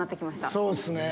そうっすね。